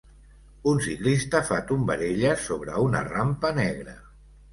Un ciclista fa tombarelles sobre una rampa negra.